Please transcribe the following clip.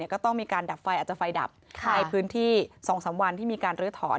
ก็ต้องมีการดับไฟอาจจะไฟดับในพื้นที่๒๓วันที่มีการลื้อถอน